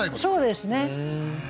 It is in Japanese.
そうですね。